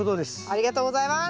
ありがとうございます！